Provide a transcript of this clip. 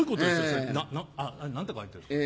それ何て書いてるんですか？